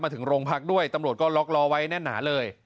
ถึงโรงพักด้วยตำรวจก็ล็อกล้อไว้แน่นหนาเลย